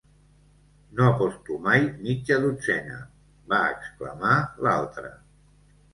"No aposto mai mitja dotzena!", va exclamar l'altre.